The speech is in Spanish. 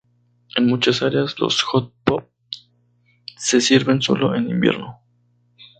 En muchas áreas los hot pot se sirven solo en invierno.